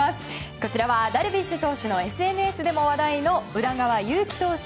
こちらはダルビッシュ投手のＳＮＳでも話題の宇田川優希投手。